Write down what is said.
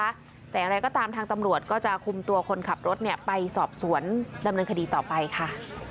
แต่อย่างไรก็ตามทางตำรวจก็จะคุมตัวคนขับรถเนี่ยไปสอบสวนดำเนินคดีต่อไปค่ะ